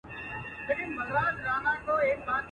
د قدرت پر دښمنانو کړي مور بوره.